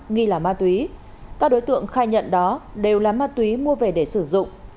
nghi là ma túy các đối tượng khai nhận đó đều là ma túy mua về để sử dụng